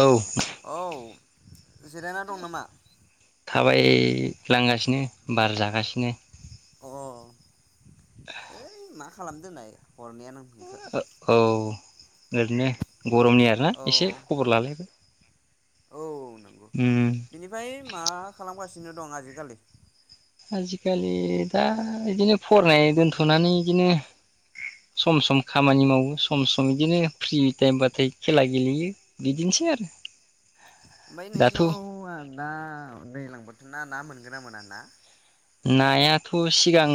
औ औ जिरायना दं नामा? थाबायलांगासिनो बार जागासिनो। अ ओइ माख‌ खालाम दोननाय हरनायानो नोंखौ औ ओरैनो गरमनि आरोना एसे औ खबर लालाय औ नंगौ बिनिफ्राय मा खालामगासि सिनो दं आजिखालि? आजिखालि दा इदिनो फरायनाय दोनथ'नानै इदिनो सम सम खामानि मावो सम सम बिदिनो फ्रि टाइमबाथाय खेला गेलेयो बिदिनोसै आरो। ओमफाय दाथ' नोंसिनाव आ दा दैज्लां बोथोरना ना मोन गोना मोना ना? नायाथ' सिगां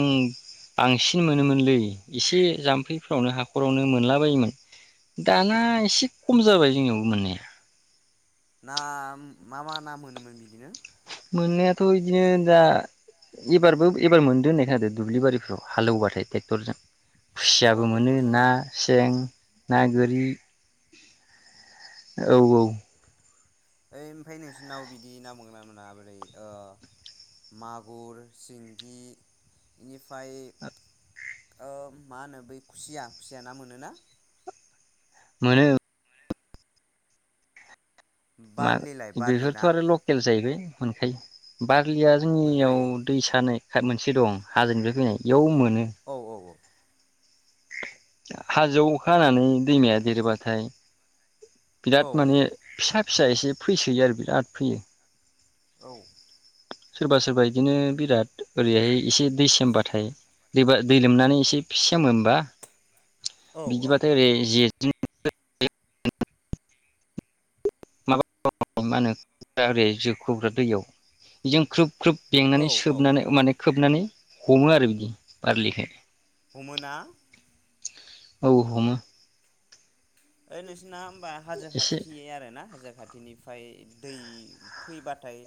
बांसिन मोनोमोनलै एसे जाम्फैफ्रावनो हाखरावनो मोनलाबायायोमोन दाना एसे खम जाबाय जोंनियावबो मोननाया। ना मा मा ना मोनोमोन बिदिनो? मोननायाथ' इदिनो दा एबारबो एबार मोनदो होननाय खानादो दुब्लि बारिफ्राव हालोवबाथाय ट्रेक्टरजों। अ खुसियाबो मोनो ट्रेक्टरजों ना सें ना गोरि औ औ। ओइ इमफाय नोंसिनाव बिदि ना मोनगोनना मोना बोदै ओ मागुर सिंगि बेनिफाय ओ मा होनो बै खुसिया खुसिया ना मोनोना? मोनो। मा बारलिलाय बारलि बेफोरथ' ना आरो लकेल जाहैबाय। मोनखायो बा रलिया जोंनियाव मोनखायो दैसा मोनसे दं हाजोनिफ्राय फैनाय इयाव मो औ औ औ। हाजोआव अखा हानानै दैमाया देरोबाथाय बिराद माने फिसाद फिसा एसे फैसोयो आरो बिराद फैयो। औ। सोरबा सोरबा इदिनो बिराद ओरैहाय एसे दै सेमबाथाय दैबा दै लोमनानै एसे फि सेमो होमबा औ बिदिबाथाय ओरै जे [unintelligible] [unintelligible] मानो एरै जिरख'ग्रा दैयाव बेजों ख्रोब ख्रुब औ बेंनानै औ सोबनानै माने खोबनानै हमो आरो बिदि बारलिखो। हमो ना? औ हमो। ओइ नोंसिना ओम बा हाजो एसे खाथि आरो ना हाजो खाथिनिफाय दै फैबाथाय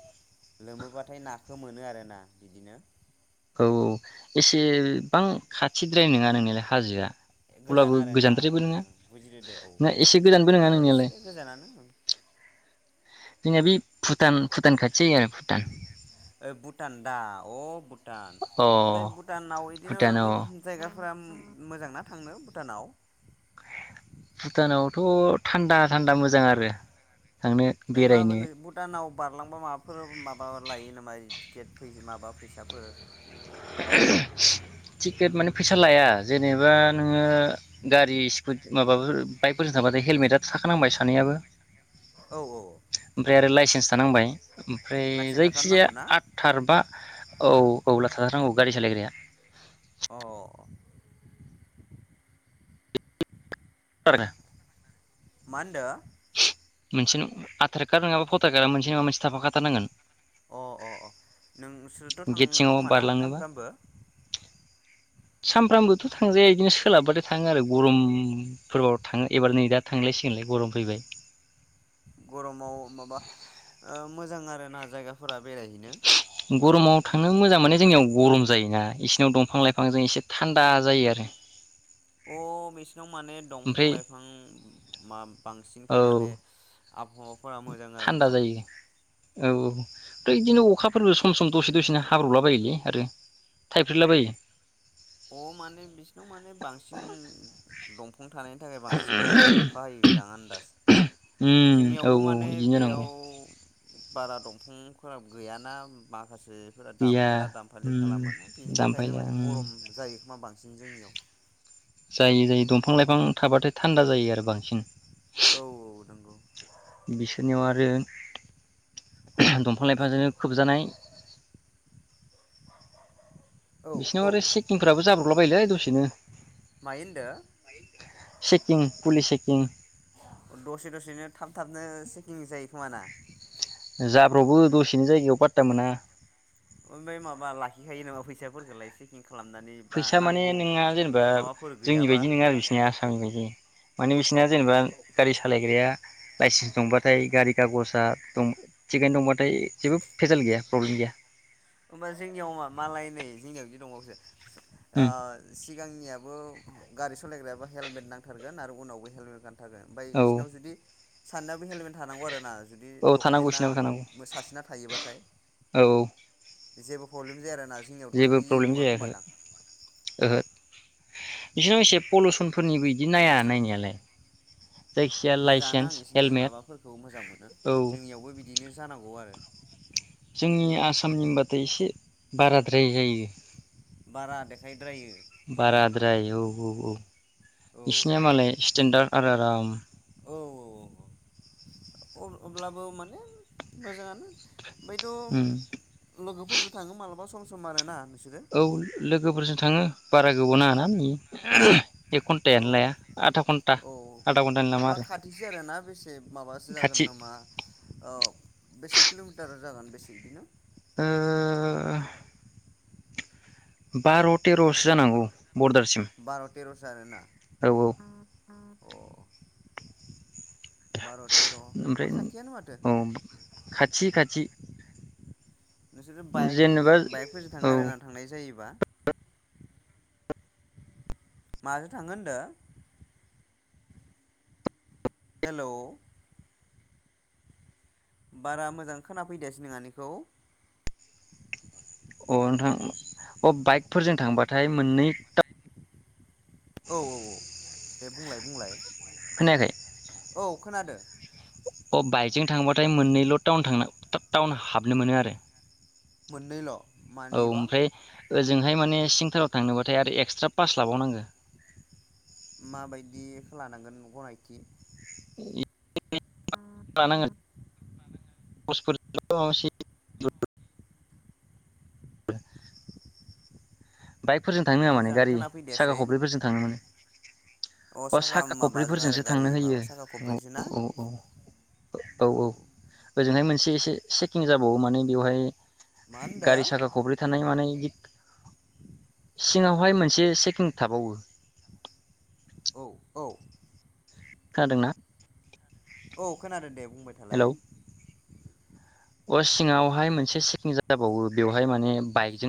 लोमोबाथाय नाखो मोनो आरोना बिदिनो औ औ एसेबां खाथिद्राय नङा नोंनायालाय हाजोआ गोजान अब्लाबो आरोना गोजानद्रायबो ओं नङा बुजिदो दे औ ना एसे गोजानबो नङा बिदिनो नोंनियालाय एसे गोजानानो ओं जोंनिया बि भुटान भुटान खाथि जायो आरो भुटान। ओइ भुटान दा अ भु टान अ ओमफाय भुटानाव इदिनो भुटानाव जायगा फुरा उम मोजांना थांनो भुटानाव? भुटानावथ' थान्दा थान्दा मोजां आरो। थांनो ओमफाय मा बेरायनो बोनो भुटानाव बारलांबा माबाफोर माबा लायो नामा इदि? केट फैयो माबा फैसाफोर टिकेट माने फैसा लाया जेनेबा नोङो गारि स्कु माबाफोर बाइकफोरजों थांबाथाय हेलमेटा थाखानांबाय सानैहाबो औ औ औ ओमफ्राय आरो लाइसेन्स थानांबाय ओमफ्राय लाइसेन्स जायखिजाया थाथारनांगौ ना आठथार बा औ औला। थाथारनांगौ गारि सालायग्राया अ। आरोना मा होनदों? मोनसे न आधार कार्ड नङाबा फटार कार्ड मोनसे नङा मोनसे थाफाखाथारनांगोन। अ अ अ नोंसोरथ' गेट थाङो सिङाव खोमा ना बारलांनोबा सानफ्रामबो? सानफ्रामबोथ' थांजाया इदिनो सोलाबबाथाय थाङो आरो गरमफोराव थाङो एबार नै दा थांलायसिगोनलाय गरम फैबाय। गरमाव माबा ओ मोजां आरो ना जायगाफोरा बेरायहैनो गरमाव थांनो मोजां माने जोंनियाव गरम जायोना इसोनियाव दंफां लाइफांजों एसे थान्दा जायो आरो अ मिस नाव माने दंफां ओमफ्राय लाइफां मा बांसिनखाय औ माने आबहावाफोरा मोजां थान्दा आरोना जायो औ औ ओमफ्राय बिदिनो अखाफोरबो सम सम दसे दसेनो हाब्रलाबायोलै आरो थाइफ्रिलाबायो अ माने बिसिनाव माने बांसिन दं फां‌ थानायनि थाखाय बांसिन थाब थाब अखा हायोदां आन्दाज उम औ जोंनियावबो माने बिदिनो जानांगौ बेयाव बारा दंफांफोरा गैयाना मा? माखासेफोरा गैया दानफायला दानफायलि उम खालामो बेनि थाखायनो दामफायला माने उम गरम मा बांसिन जोंनियाव जाय जायो दंफां लाइफां थाबाथाय थान्दा जायो आरो बांसिन औ औ नंगौ बिसोरनियाव आरो दंफां लाइफांजोंनो खोबजानाय औ बिसोरनियाव औ आरो चेकिंफोराबो जाब्र हरलाबायलै दसेनो मायो चेकिं पुलिस चेकिं होनदों सेकिं [unintelligible] दसे दसेनो थाब थाबनो सेकिं जायो खोमा ना? जाब्रब बो दसेनि जायो इयाव पातता मोना ओमफ्राय माबा लाखिखायो नामा फैसाफोरखौलाय सेकिं फैसा माने नोंहा जेनेबा माबाफोर जोंनि गैयाबा बायदि नङा आरो बिसोरनिया आसामनि बायदि माने औ बिसोरनिया जेनेबा गारि सालायग्राया लाइसेन्स दंबाथाय गारि कागज दा दं थिकेट दंबाथाय जेबो फेेजाल गैया प्रब्लेम गैया होमबा जोंनियाव मा मालाय नै जोंनियाव बिदि दंबावोसो आ सिगांनियाबो गारि सालायग्रायाबो हेलमेट नांथारगोन आरो उनावबो हेलमेट गान [unintelligible] ओमफ्राय औ इसोरनाव जुदि सानैनाबो हेल्मेट थानांगौ आरोना जुदि औ थानांगौ डकुमेन्टआ बिसिनाबो थानांगौ सासेना थायोबाथाय औ औ जेबो प्रब्ले जाया आरो ना जेबो प्रब्लेम जाया ओहो ओहो बिसोर एसे पुल'सनफोरनिबो बिदि नाया नायनायालाय जायखिजाया मोजाङानो आं लाइसेन्स बिसोरनि हेलमेट माबाफोरखौ मोजां मोनो औ जोंनियावबो बिदिनो जानांगौ आरो जोंनि आसामनिबाथाय एसे बाराद्राय जायो बारा देखायद्रायो जोंनियाव बाराद्राय औ औ औ औ बिसिनिया मालाय स्टेेनडार्ड आरो आराम औ औ औ अब्लाबो माने मोजाङानो ओमफ्रायथ' उम लोगोफोरजों थाङो मालाबा सम सम सम आरो ना औ लोगोफोरजों थाङो बाराग औ घन्टायानो लाया आधा घन्टा औ आधा घन्टानि लामा होमबा आरो खाथिसो आरोना बेसे माबासो जागोन खाथि नामा बेसे किल मिटार जागोन बेसे इदिनो? ओ बार' तेर'सो जानांहागौ। बार' तेर'सो आरोना? औ औ अ। बार' तेर' ओमबा ओमफ्राय खाथियानो माथो। औ खाथि खाथि नोंसोर बाइक जेनेबा बाइकफोरजों औ थाङो आरोना थांनाय जायोबा? माजो थाङो होनदो? हेलौ बारा मोजां खोना फैदियासै नोंङानिखौ। अ नोंथां अ बाइकफोरजों थांबाथाय मोननै था औ औ औ दे बुंलाय बुंलाय। खोनायाखै औ खोनादो। अ बाइकजों थांबाथाय मोननैल' टाउन थांना टा-टाउन हाबनो मोनो आरो। मोननैल'? औ मानिबा ओमफ्राय ओजोंहाय माने सिंथाराव थांनोबाथाय आरो एक्सट्रा पास लाबावनांगो। माबायदिखो लानांगोन ग'नायथि [unintelligible] लानांगोन [unintelligible] [unintelligible] बाइकफोरजों थांनो होया माने मोजां गारि साखा खोनाफैदियासै खब्रैफोरजों थांनो मोनो। अ साखा माबाजों आरो खब्रैफोरजोंसो गारि थांनो होयो माबा साखा औ खब्रैसो ना औ औ औ औ। ओजोंहाय मोनसे एसे चेकिं जाबावो माने बेवहाय मा होनदो गारि साखा खब्रै थानाय मानाय इक सिङावहाय मोनसे चेकिं थाबावो। औ औ खोनादों ना? औ खोनादों दे बुंबाय थालाय हेलौ अ सिङावहाय मोनसे चिकिं जाबावो बेवहा हाय माने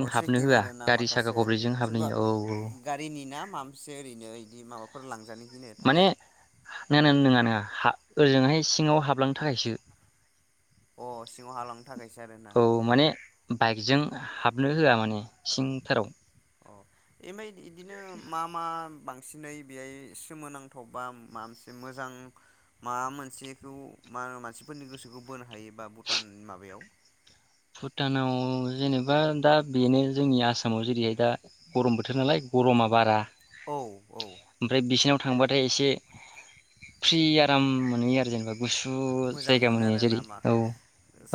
अ हाबनो चेकिं होआ आरोना गारि साखा माखासे खब्रैजों हाबनो होयो औ औ। मामसे ओरैनो इदि माबाफोर लां जानो गिनाय थाखाय नङा नङा नङा नङा हा ओरजोंहाय सिङाव हाबलांनो थाखायसो अ सिङाव हालांनो थाखायसो आरोना? औ माने बाइकजों हाबनो होया माने सिंथाराव। औ। ओमफ्राय बिदिनो मा मा बां सिनै बेहाय सोमोनांथाव बा माबा मोनसे मोजां माबा मोनसेखौ मा मानसिफोरनि गोसोखौ बोनो हायोबा भुटान माबायाव भुटानाव जेनेबा दा बेनो जोंनि आसामाव जेरैहाय दा गरम बोथोर नालाय गरमा बारा औ औ। थांबा थाय एसे फ्रि आराम मोनहैयो आरो जेनोबा गुसु मोजां जायगा मोनो आरोना जेरै मा औ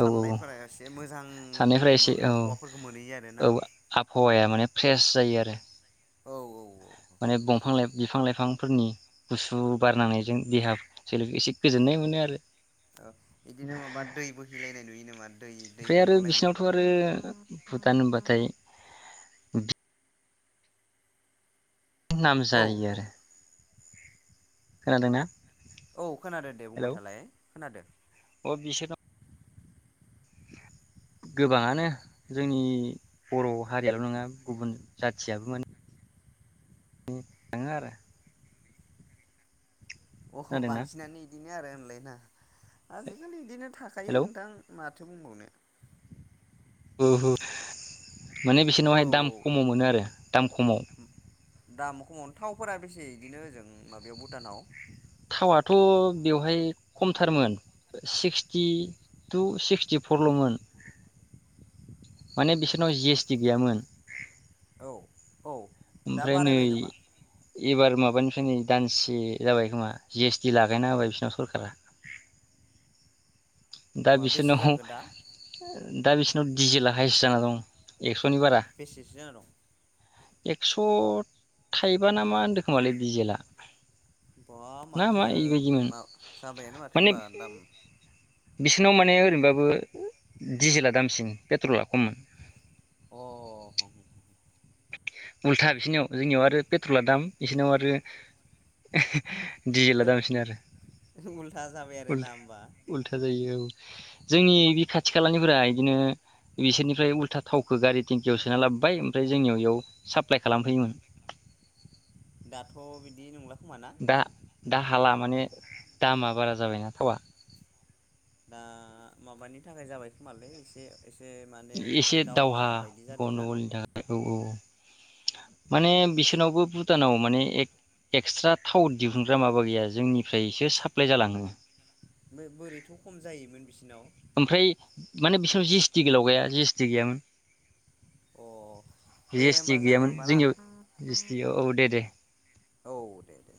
औ औ एसे मोजां सानिफ्राय एसे औ आबहावाफोरखौ मोनहैयो आरोना औ आबहावाया माने फ्रेस जायो आरो। औ औ औ। माने दंफां लाइ बिफां लाइफांफोरनि गुसु बारनांनायजों देहा सोलेर एसे गोजोननाय मोनो आरो। ओ बिदिनो माबा दै बोहैलायनाय नुयो नामा दै दै ओमफ्राय आरो गबलायनाय? बिसिनावथ' आरो भुटान होनबाथाय नाम औ जायो औ आरो। खोनादोंना? औ खोनादों दे हेलौ बुंबाय थालाय खोनादों। अ बिसोरनाव गोबाङानो जोंनि बर' हारियाल' नङा गुबुन जाथियाबो माने थाङो आरो। अह खोनादोंना बांसिनानो इदिनो बेनो आरो होनलायना? आजिखालि बिदिनो थाखायो हेलौ नोंथां मा थो बुंबावनो। ओ हो माने औ बिसोरनावहाय दाम औ खमाव मोनो आरो दाम खमाव। दाम खमावनो थावफोरा बेसे बिदिनो ओजों माबायाव भुटानाव? थावाथ' बेवहाय खमथारमोन सिक्सटि टु सिक्सटिफरलमोन माने बिसोरनाव जि एस टि गैयामोन। औ दा ओमफ्राय नै बारायबाय नामा एबार माबानिफ्राय नै दानसे जाबाय खोमा जि एस टि लागायना होबाय बिसोरनाव सरखारा। दा बा बेसे बिसोरनाव जाखो दा दा बेस नाव दिजेेला हाइस जाना दं एक्सनि बारा बेसेसो जाना दं थ थाइबा ना मा होनदों खोमालै डिजेेला बा माथो मा जाबायानो माथो माने होनबा दाम बिसोरनाव माने ओरैनोबाबो डिजेला दामसिन पेट्रला खम अ उल्था बिसोरनियाव जोंनियाव आरो पेट्रला दाम बिसोरनिाव आरो दिजेेला‌ दामसिन आरो उल्था जाबाय आरोना होमबा उल्थ-उल्था जायो औ जोंनि बे खाथि खालानिफ्राय इदिनो बिसोरनिफ्राय उल्था थावखौ गारि टेंकियाव सोना लाबोबाय ओमफ्राय जोंनियाव इयाव साप्लाइ खालामफैयोमोन। दाथ बिदि नंला खोमा ना दा दा हाला माने दामा बारा जाबायना थावा दा माबानि थाखाय जाबाय खोमालै एसे एसे माने एसे दावहा बायदि जादों ना गनदगलनि थाखाय औ औ माने बिसोरनावबो भुटानाव माने गए एक्सट्रा थाव दिहुनग्रा माबा गैया जोंनिफ्रायसो साप्लाय जालाङो ओमफ्राय बोरैथ' खम जायोमोन बिसिनाव? ओमफ्राय माने बिसोरनाव जि एस टि लावगाया जि एस टि गैयामोन अ दे जि एस होमबा टि जागोन गैयामोन होमबा ना जोंनियाव जि एस टि औ दे दे औ दे दे